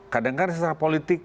kadang kadang sesuatu politik